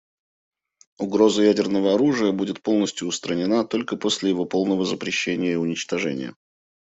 Угроза ядерного оружия будет полностью устранена только после его полного запрещения и уничтожения.